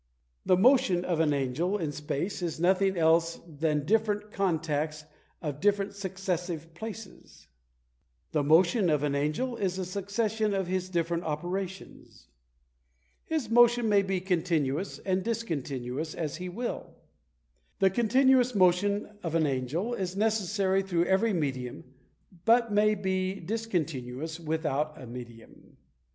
The motion of an angel in space is nothing else than different contacts of different successive places. The motion of an angel is a succession of his different operations. His motion may be continuous and discontinuous as he will. The continuous motion of an angel is necessary through every medium, but may be discontinuous without a medium.